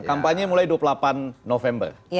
kampanye mulai dua puluh delapan november